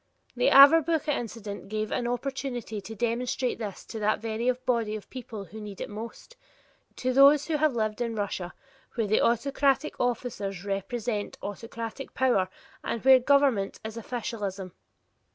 The Averbuch incident gave an opportunity to demonstrate this to that very body of people who need it most; to those who have lived in Russia where autocratic officers represent autocratic power and where government is officialism.